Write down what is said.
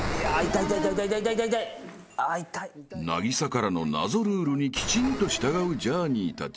［凪咲からの謎ルールにきちんと従うジャーニーたち］